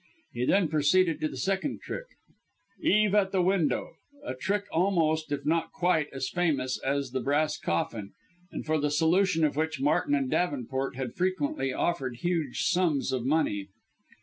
He then proceeded to the second trick "Eve at the Window," a trick almost, if not quite, as famous as "The Brass Coffin," and for the solution of which Martin and Davenport had frequently offered huge sums of money.